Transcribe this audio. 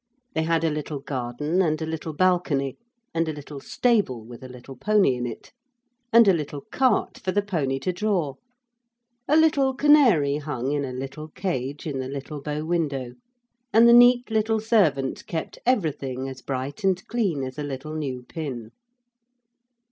They had a little garden and a little balcony, and a little stable with a little pony in it and a little cart for the pony to draw; a little canary hung in a little cage in the little bow window, and the neat little servant kept everything as bright and clean as a little new pin.